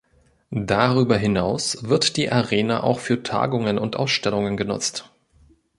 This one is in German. Darüber hinaus wird die Arena auch für Tagungen und Ausstellungen genutzt.